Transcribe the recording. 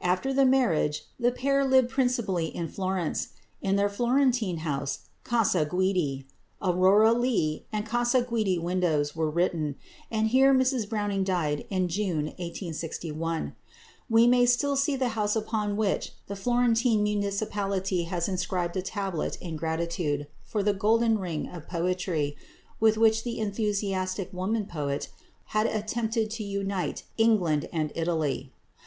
After the marriage the pair lived principally at Florence. In their Florentine home Casa Guidi "Aurora Leigh," and "Casa Guidi Windows" were written, and here Mrs Browning died in June 1861. One may still see the house upon which the Florentine municipality has inscribed a tablet in gratitude for the "golden ring" of poetry with which the enthusiastic woman poet had attempted to unite England and Italy.